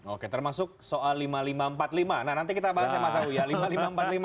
oke termasuk soal lima ribu lima ratus empat puluh lima nah nanti kita bahas ya mas awi ya